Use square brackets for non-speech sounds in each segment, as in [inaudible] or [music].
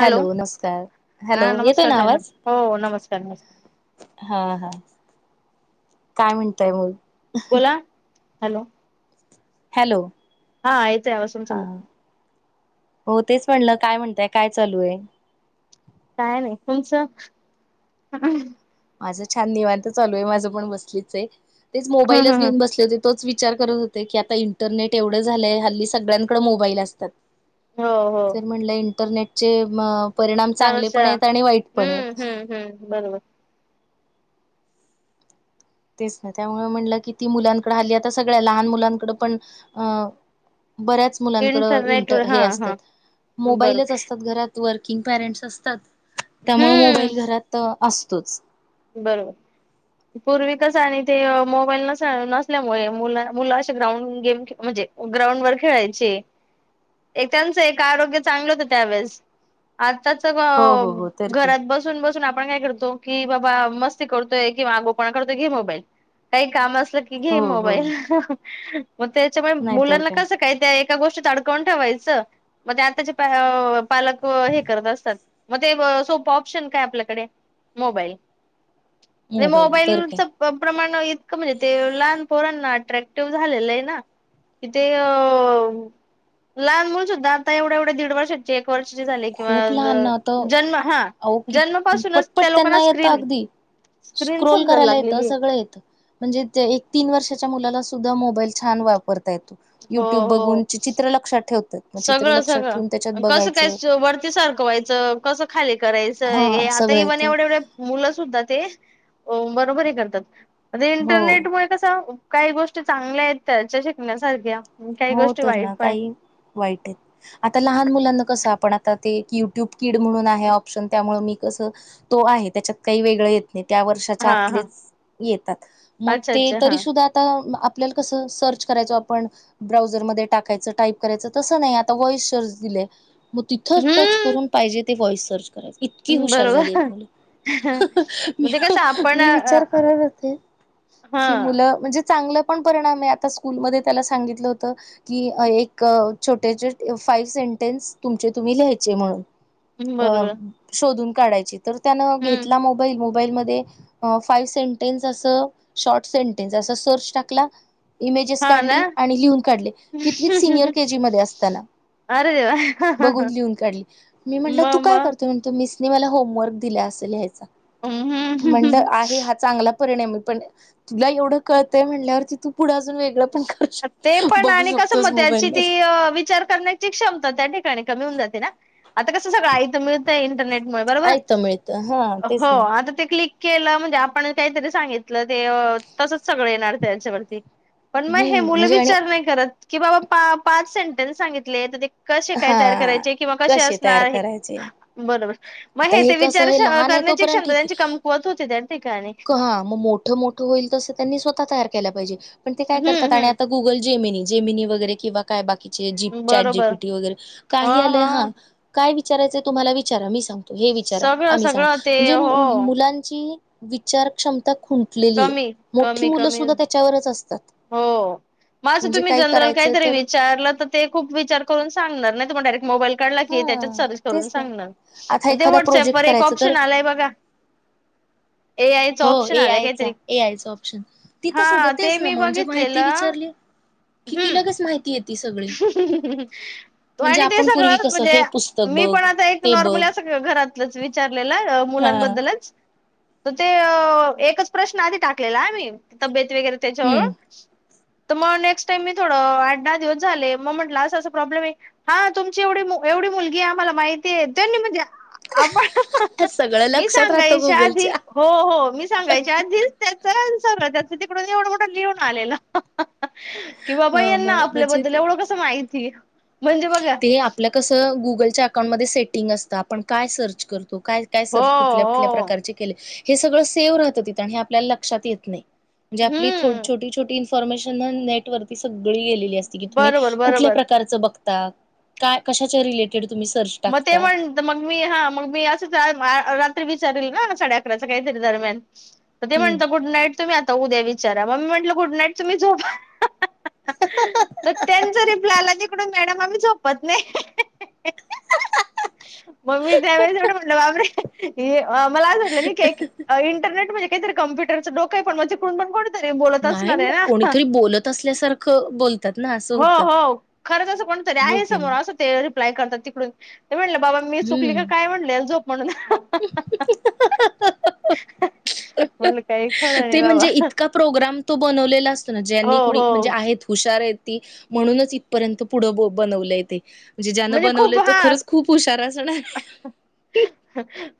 Hello नमस्कार hello हा येते नमस्कार ना ताई आवाज. हो नमस्कार नमस्कार हा हा काय म्हणतय मग. बोला हॅलो. हॅलो. हा येते आवज तूमचा. हा हो तेच म्हणलं काय म्हणताय काय चालू आहे. काय नाही तुमचं. माझं छान निवांत चालू आहे माझं पण बसलीच आहे तेच मोबाईलच हम्म घेऊन बसले होते. तोच विचार करत होते की आता इंटरनेट एवढं झालंय हल्ली सगळ्यांकड मोबाईल असतात. हो हो तर म्हटलं इंटरनेटचे म. परिणाम चांगले पण चर्चा आहेत आणि वाईट पण हम्म आहेत. हम्म हम्म बरोबर तेच नाही त्यामुळे म्हणलं की ती मुलांकडं हली आता सगळ्या लहान मुलांकड पण अं. बऱ्याच मुलांकड इंटरनेट इंट वर हे हा हा असतात बरोबर मोबाईलच असतात घरात. वर्किंग पेरेंट्स असतात त्यामुळे हम्म मोबाईल घरात असतोच. बरोबर. पूर्वी कस आणि ते मोबाईल नस नसल्यामुळे मु मुलं असे ग्राउंड गेम म्हणजे. ग्राउंड वर खेळायचे. एक त्यांचं एक आरोग्य चांगलं होत त्यावेेळेस आ. हो हो हो तर की घरात बसून बसून आपण काय करतो की. बाबा मस्ती करतोय किंवा गोपाळ करतोय कि मोबाईल काही काम. हो हो मग त्या नाहीतर काय मुलांनास का. एका गोष्टी आडकावून ठेवायचं. मग ते आताचे पालक हे करत असतात मग ते सोपं ऑप्शन काय आपल्याकडे. मोबाईल. म्हे मोबाईल तर काय मोबाईलच प्रमाण इतकं म्हणजे ते लहान. पोरांना अट्रॅक्टिव्ह झालेलं आहे ना किथ अ. लहान मुल सुद्धा आता एवढ्या एवढ्या दीड वर्षाचे. वर्ष कि खूप लहान ना आता जन्म हा जन्मपासूनच त्या लोकांना. स्क्रीन स्क्रीन स्कोरल समजायला करायला य लागलेली आहे सगळ य म्हणजे तीन वर्षाच्या. मोबाल छान वापता येत हो युट हो बून चित्र लक्ष ठे. मग चित्र लक्षात ठेवून त्याच्यात बघायचं. सरकवा्हायचं कसं खाली करायचं हे हा आता सगळं इव्हन येत एवढेवढे मुलं सुद्धा. ते बरोबर करतात आ हो इंटरनेटमुळे कस. काही गोष्टी चांगल्या आहेत त्याच्या शिकण्यासारख्या काही हो गोष्टी तर वाईट ना पण आहे. काही वाईट आहे आता लहान मुलांना कसं आपण आता ते युट्यूब किड म्हणून आहे ऑप्शन त्यामुळे मी कस. तो आहे त्याच्यात काही वेगळ. त्या वर्षाच्या हा हा आतच येतात मग अच्छा ते अच्छा तरी हा सुद्धा आता. आपल्याला कस सर्च करायचो आपण. ब्राऊझरमध्येध्ये टाकायचं टाईप करायचं तसं नाही आता वॉइस सर्च दिले. मग तिथं टच हम्म करून पाहिजे ते व्हॉइस सर्च करायच इतकी हुशार झाली बरोबर आहेत मुलं. [unintelligible] मी म्हणजे कसं आपण मी विचार करत होते हा की मुलं म्हणजे. चांगलं पण परिणाम आहे आता स्कूलमध्ये त्याला सांगित. हो की एक छोटे फाइव्ह सेंटेन्स तुम तुम्ही लियचे म्हणून. अ बरोबर शोधून काढायची तर त्यानं हम्म घेतला मोबाईल. मोबाईल मध्ये फायु सेंटेनस अस शॉर्ट सेंटेनस अस सर्च टाकला. इमेजेस हा ना काढली आणि लिहून काढले कितवीच सिनियर केजी मध्ये असताना. अरे देवा बघून लिहून काढली मी म्हंटलं म तू म काय करते म्हणत. मिस मला होमवर्क दि असेल ह म्हंटल हम्म आहे हा चांगला. पण तुला एवढं कळंय म्हण त तू पुढे अजून वेगळं पण कर. ते पण आणि कसं म त्याची ती विचार करण्याची क्षमता त्या ठिकाणी कमी होऊन जाते ना. आता कसं सगळं थं मिळतंय इंटरनेट मु बरोबर ऐकत मिळतं हा तेच हो ना आता ते क्लिक. केलं म्हणजे आपण काहीतरी सांगितलं ते तसच सगळं येणार त्याच्यावरती. पण मग हे हम्म. म्हणजे आणि विचार नाही करत की बाबा पाच सेंटेनस सांगितले. कसे काय तयार हा करायचे किंवा कसे तयार असणार आहे करायचे बरोबर. मग आता हे ते कसं विचार हे लहान आहे करण्याची तोपर्यंत क्षमता ठीक आहे त्यांची कमकुवत होते त्या ठिकाणी. हा मग मोठं मोठं होईल तसं मी स्वता. तयार केला पाहिजे पण ते काय करतात हम्म आणि आता हम्म गुल जेमिनी जेनी वरे किंवा काय बा. चॅट बरोबर जीपीटी वगैरे काही आलंय हा काय विचारायचंय तुम्हाला विचारा मी सांग. हे विचारा सगळं आम्ही सांग सगळं ते म्हणजे हो मुलांची विचारक्षम खुंटलेली आहे कमी मोठी कमी मुलं सुद्धा त्याच्यावरच असतात. म असं म्हणजे तुम्ही काही जनरल करायचंय काहीतरी तर विचारलं तर ते खूप विचार करून सांगणार, नाहीतर मग डायरेक्ट मोबाईल काढला की त्याच्यात हा सर्च करून तेच ना सांगणार, आता अन् ते एखादा व्हॉट्सअप प्रोजेक्ट वर एक करायचा तर ऑप्शन आलाय बघा. ए आयच हो ऑप्शन ए आलाय आयचा काहीतरी ए आयचा ऑप्शन तिथं सुधा हा ते तेच ना मी म. म्हणजे माहिती बघितलेलं विचारली, कि तिला कसं माहिती? येते सगळी म्हणजे आणि ते आपण पूर्वी सगळंच कसं म्हणजे हे पुस्तक मी बघ पण आता एक ते बघ नॉर्मल असं घरातलंच विचारलेलं हा मुलांबद्दलच. तर ते एकच प्रश्न आधी टाकलेला मी तब्येत वगैरे हम्म त्याच्यावरून त म नेक्स्ट टाइम मी थोडं आठदहा दिवस झाले मग म्हटलं असं असं प्रॉब्लेम आहे, हा तुमची एवढी मु एवढी मुलगीये आम्हाला माहितीये त्यांनी म्हटलं आबा सगळं मी लक्षात राहतं सांगायच्या आधी गुगलच्या हो हो मी सांगायच्या आधीच त्याचा सगळं तिकडून एवढं मोठ लिहून आलेल, की ह बाबा यांना मग आपल्याबद्द म्हणजे दल ते एवढं कसं माहिती? ते आपलं कसं गुगल च्या अकाउंटमध्ये सेटिंग असतं, आपण काय सर्च करतो काय काय हो सर्च कुठल्या कुठल्या हो प्रकारचे केले. हे सगळं सेव्ह राहतं तिथं आणि हे आपल्याला लक्षात येत नाही, म्हणजे आपली हम्म छोटी छोटी फोर्मेशन नेटरवती सगळी गेलेली असती की तुम्ही बरोबर कुठल्या बरोबर प्रकारचं बग काय कशाच्या रिलेटेड? सर्च म ते टाकता म्हणत हीमग मी हा मग मी असंच [unintelligible] विचारलं ना साडे अकरा काहीतरी दरम्यान, तर ते म्हणतं हम्म गुड नाईट. तुम्ही आता उद्या विचारा म मी म्हटलं गुड नाईट तुम्ही झोपा. तर त्यांच रिप्लाय आला निकडून मॅडम आम्ही झोपत नाही. म मी त्यावेळेस एवढं म्हणलं बाबरे हे अ मला आज वाटलं नाही की अ इंटरनेट म्हणे काहीतरी कम्प्युटरचं डोकं पण पण [unintelligible] नाही असणार आहे मग ना कोणीतरी बोलत असल्यासारखं बोलतात. ना असं हो होतं हो खरंच असं कोण तरी हो आहे की समोर नाही असं ते रिप्लाय करतात तिकडून. ते म्हटलं बाबा मी चुकली का हम्म काय म्हटले झोप म्हणून. [inaudible] म्हणलं काही खरं नाही ते बाबा म्हणजे इतका प्रोग्राम तो बनव लेला असतो ना, हो ज्यांनी कुणी हो म्हणजे आहेत हुशार आहेत. म्हणूनच इथपर्यंत पुढं बनवलंय तेे. म्हजे ज्यानं म्हणजे बनवले खूप तो हा खरंच खूप हुशार असणार आहे.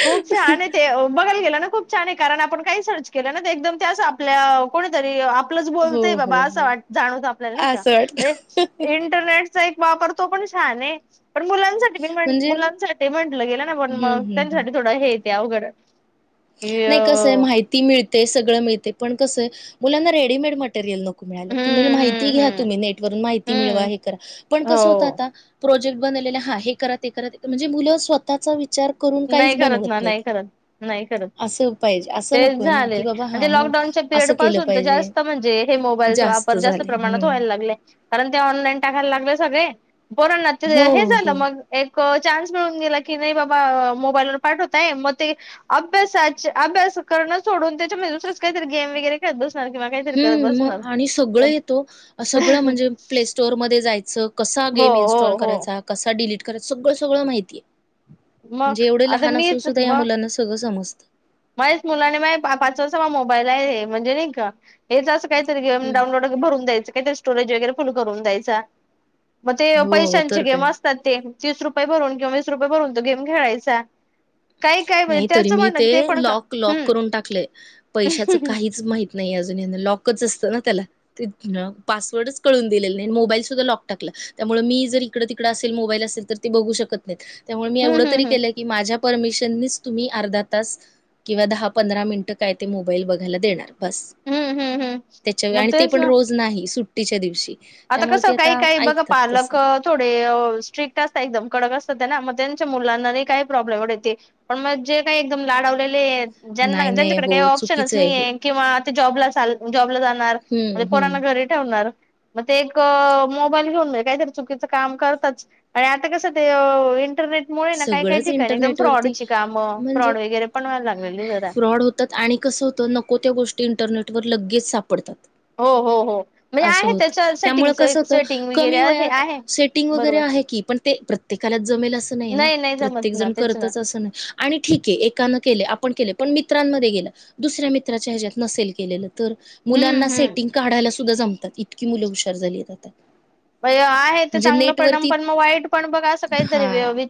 खूप छान ते अ बघा. खुप छान आहे कारण आपण काही सर्च केलं ना ते एकदम ते असं आपल्या कोणीतरी आप प्लच हो बोलतंय हो बाबा हो वाट-जाणवतंय आपल्याला न्हाई असं का, ए वाटत इंटरनेट चा एक वापर तो पण छान आहे. पण मुलांसाठी मी म्हणजे मुलांसाठी म्हटलं गेलं ना पण हम्म मग हम्म हम्म त्यांच्यासाठी थोडं हेे ते अवघड. की नाही कसंय हम्म माहिती मिळतेय सगळं मिळते, पण कसंय मुलांना रेडीमेड मटेरियल नको. तुम्ही माहिती हम्म घ्या हम्म तुम्ही नेट वरून माहिती मिळवा हम्म हे करा. पण हो कस होतं आता प्रोजेक्ट बनवलेले हा हे करत ते करत म्हणजे मुलं स्वतःचा विचार करून नाही काहीच करत ना बनवत नाहीत नाही करत नाही. करत, असं पाहिजे असं तेच नकोय ना झालंय की बाबा अन् हा ते मग लॉकडाऊनच्या पिरियड असं केलं पासून तर पाहिजे जास्त म्हणजे हेमो बाईलचा वापर जास्त झाले प्रमाणात व्हायला हम्म लागलाय. कारण ते ऑनलाईन टाकायला लागले सगळे. बोरना ते हो हे झालं हो मग एक चान्स मिळून गेला की नाही बाबा मोबाईल वर पाठवतय मग ते अभ्यासा अभ्यास करणं सोडून त्याच्यामध्ये दुसरंच काहीतरी गेम वगैरे खेळत बस हम्म मग आणि सगळं येतो सगळं म्हणजे हो प्ले स्टोअरमध्येध्ये जाय कसा गेम हो इन्स्टॉल हो करायचा कसा डिलीट करायचा सगळं सगळं माहितीये. मग म्हणजे एवढे आता लहान असून सुद्धा या मुलांना सगळं समजत. माझच मुलाने मा पाच वाजता म मोबाईल आहे म्हणजे नाही का हे काहीतरी गेम डाउनलोड भरून द्यायचं काहीतरी स्टोरेज वगैरे फुल करून द्यायचा. मग ते हो पैशांचे तर गेम काय असतात ते. तीस रुपये भरून किंवा वीस रुपये भरून तो गेम खेळायचा काही काय म्हणजे त्याचं म्हणण ल लॉक करून टाकले पैशच हम्म काहीच माहिती नाही अजुन. लॉकच असतना त्याला पासवर्ड पण कळुन दिला नाही मोबाईल त्याला त्यामुळे मी मी जर इकडे तिकडे असेल मोबाईल असेल तर ते बघू शकत नाही त्यामुळे मी एवढा हम्म तरी हम्म केलं की माझ्या परमिशन शिवाय तुम्ही अर्धा तास किंवा दहा पंधरा मिनट काय ते मोबाईल बघायला देणार. बस हम्म हम्म त्याच्या व हम्म मग आणि ते तेच पण ना रोज नाही सुट्टीच्या दिवशी. आता त्यामुळे कसं ते काही काही बघ ऐकतात तस पालक थोडे स्ट्रिक्ट असायचं. कडक असतात ना मग त्यांच्या मुलांना काही प्रॉब्लेम ते पण मग जे काही एकदम लाडवलेले नाही, ज्यांना नाही. ज्यांच्याकडे काही हो, ऑप्शनच चुकीचं आहे हे. नाहीये किंवा जॉबला चा जॉबला जाणार हं, म्हणजे पोरांना हं. घरी ठेवणार. मग ते एक मोबाईल घेऊन जाल काहीतरी चुकीचं काम करतात आणि आता कसं ते इंटरनेटमुळे ना काय काही सगळंच ठिकाणी एकदम इंटरनेटवरती फ्रॉडची काम म्हणजे फ्रॉड वगैरे पण व्हायला लागलेत जरा. फ्रॉड होतात आणि कसं होतं नको त्या गोष्टी इंटरनेटवरर लगेच सापडतात. हो हो हो म्हणजे अस आहे होत त्याच्या सेटिंग त्यामुळे कस होत सेटिंग वगैरे कमी आहे वयात आहे सेटिंग वगैरे बरोबर आहेत. पण ते प्रत्येकालाच जमेल असं नाही नाही जमत ना प्रत्येकजण तेच ना करतच अस नाही आणि ठीक आहे एकाने केले आपण पण मित्रांमध्ये गेले दुसऱ्या मित्रांना विचारून ते कसे मुलांना हम्म हम्म. सेटिंग काढायला सुद्धा येते. सुद्धा जमतात इतकी मुलं हुशार झालीत. आहे ते चांगलं पण पण मग वाईट पण बघ असं काहीतरी हां. [unintelligible]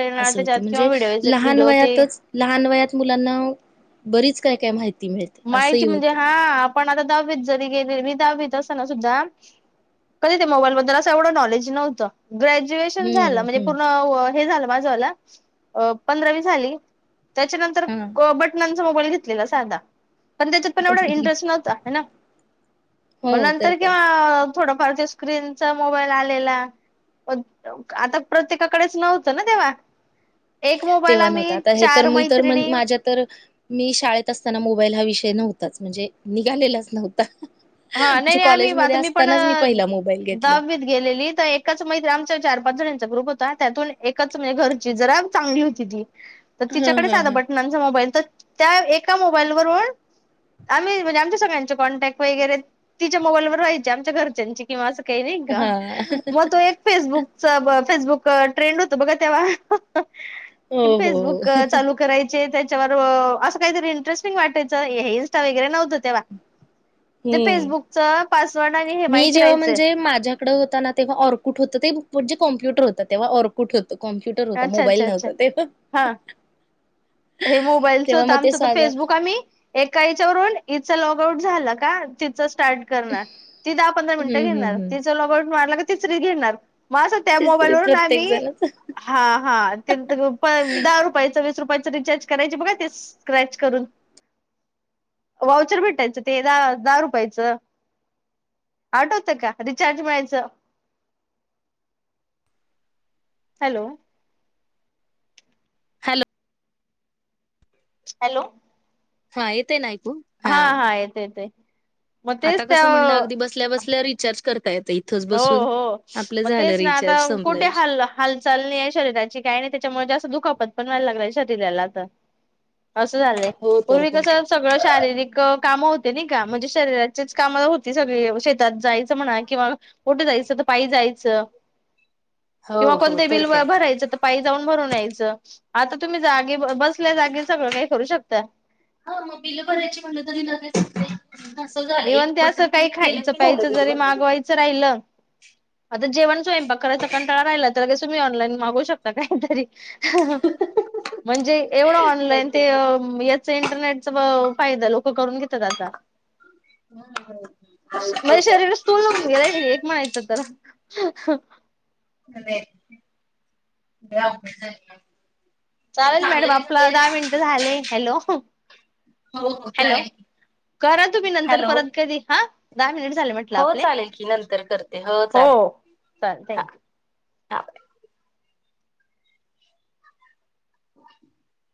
येणार असं त्याच्यात होतं किंवा म्हणजे व्हिडिओ लहान व्हिडिओ ते वयातच लहान वयात मुलांना बरीच काय काय माहिती मिळते असंही माहिती म्हणजे होतं हा आपण आता दहावीेत जरी गेलेला दहावीेत असताना सुद्धा कधी ते मोबाईल बद्दल असं एवढं नॉलेज नव्हतं. ग्रॅज्युएशन झालं हम्म म्हणजे हम्म पूर्ण हे झालं. [unintelligible] त्या पंधरावी झाली त्याच्यानंतर हा गॉबट नंतर मोबाईल घेतलेला साधा. पण त्याच्यात पण एवढा इंटरेस्ट नव्हता हं ना मग हो तर नंतर काय किंवा थोडफार ते स्क्रीनचा मोबाईल आलेला. आता प्रत्येकाकडेच नव्हतं ना तेव्हा. एक मोबाईल तेव्हा नव्हत आम्ही आता हे तर चार मी तर मैत्रिणी माझ्या तर मी शाळेत असताना मोबाईल हा विषय नव्हताच म्हणजे निघालेलाच नव्हता. हा नाही म्हणजे नाही आम्ही कॉलेजमध्ये आता मी पण असतानाच पहिला मोबाईल घेतला दहावीत गेलेली तर एकच मैत्रीामच्या चार पाच जणांचा ग्रुप होता त्यातून एकच म्हणजे घरची जरा चांगली होती ती. तर हा तिच्याकडे हा साध हा बटनांचा मोबाईल तर त्या एका मोबाईलवरून आम्ही म्हणजे आमच्या सगळ्यांचे कॉन्टॅक्ट वगैरे तिच्या मोबाईलवर व्हायची आमच्या घरच्यांची किंवा काही नाही का हा मग तो एक फेसबुक फसबुक ट्रेंड होत बघा तेव्हा हो हो फेसबुक चालू करायचे. त्यावर असं काहीतरी इंटरेस्टिंग वाटायचं हे इन्स्टा वगैरे नव्हत तेव्हा. हम्म फेसबुकच [unintelligible] मी जेव्हा म्हणजे माझ्याकडे होता ना तेव्हा ऑर्कुट होत ते म्हणजे कॉम्प्युटर होता तेव्हा ऑरकुट होत कॉम्प्युटर होता अच्छा अच्छा मोबाईल अच्छा नव्हता तेव्हा. हा हे मोबाईलच तेव्हा तर मग ते आमचं तर साधा फेसबुक आम्ही एका याच्यावरून लॉग आउट झाला का ति स्टार्ट करणार ती दहा पंधरा मिनिटं हम्म हम्म घेणार हम्म तिच लॉउट मारला तर तीसरी घेणार मं त्या तेच मोबाईल तरी वरून प्रत्येक आम्ही जणच हा हा दहा रुपयाच वीस रुपयाचं रिचार्ज करायचे बघा ते स्क्रॅच करून. वाउचर भेटायचं ते दहा दहा रुपयाचं. आठवतं का रिचार्ज मिळायचं. [unintelligible] हॅलो हॅलो हॅलो हा येतय ना ऐकू. हा हाऽ हां येतय येतय, आता कसं म्हटलं अगदी बसल्या बसल्या रिचार्ज करता येतं इथंच हो बसून. हो, आपलं मग झालं तेच ना आता रिचार्ज संपला कोठे विषय हाल हालचाल नाय शरीराची, काय नाही, त्याच्यामुळे जास्त दुखापत पण व्हायला लागला शरिराला आता. असं झालंय, हो तर पूर्वी का कस सगळं शारीरिक काम होते नाही का, म्हणजे शरीरात काम होती सगळी शेतात जायचं, म्हणा किंवा कुठं जायचं तर पाई जायचं. हो किंवा कोणत हो तर बिल काय भरायचं तर पायी जाऊन भरून या्यायचं आता तुम्ही जागे बसल्या जागी सगळं काही करू शकता. हा मग बिल भरायची म्हणलं तरी लगेच ते इव्हन ते असं काही खायचं की झालं प्यायच बिल जरी भरलं मागवायचं राहिल ता जेवण स्वयंपाक करायचा कंटाळा राहिला तर तुम्ही ऑनलाईन मागू शकता काहीतरी. म्हणजे एवढं ऑनलाईन ते याच इंटरनेटचा फायदा लोक करून घेतात आता. म्हणजे शरीर स्तूल होऊन गेलंय एक म्हणायच तर आता. [inaudible] [unintelligible] चालेल मॅडम आपलं दहा मिनिट झाले, हॅलो हॅलो, करा तुम्ही नंतर परत कधी हा. दहा मिनिट झाले म्हटलं हो आपले. चालेल की नंतर करते हो चालेल चालेल थँक्यू. हा. [inaudible] [inaudible]